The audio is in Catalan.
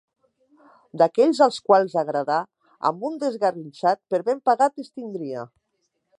D'aquells als quals agradà, amb un d'esgarrinxat, per ben pagat es tindria.